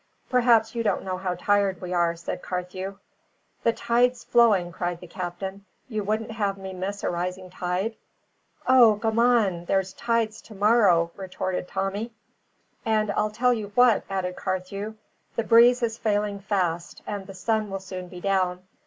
"Perhaps you don't know how tired we are," said Carthew. "The tide's flowing!" cried the captain. "You wouldn't have me miss a rising tide?" "O, gammon! there's tides to morrow!" retorted Tommy. "And I'll tell you what," added Carthew, "the breeze is failing fast, and the sun will soon be down.